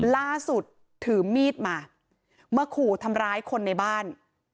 ล่าสุดถือมีดมามาขู่ทำร้ายคนในบ้าน